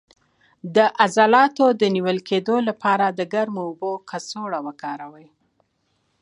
د عضلاتو د نیول کیدو لپاره د ګرمو اوبو کڅوړه وکاروئ